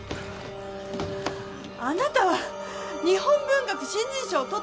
あなたは日本文学新人賞をとった作家なのよ？